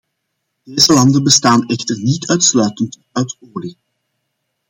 Deze landen bestaan echter niet uitsluitend uit olie.